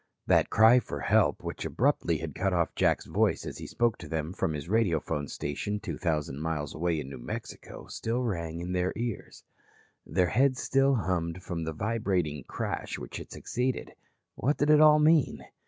That cry for "Help" which abruptly had cut off Jack's voice as he spoke to them from his radiophone station 2,000 miles away in New Mexico still rang in their ears. Their heads still hummed from the vibrating crash which had succeeded. What did it all mean?